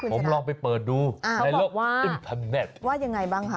ผมลองไปเปิดดูในโลกอินเทอร์เน็ตว่ายังไงบ้างคะ